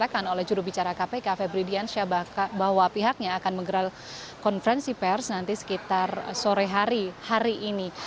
dan juga dikatakan oleh jurubicara kpk febri diansyah bahwa pihaknya akan menggelar konferensi pers nanti sekitar sore hari ini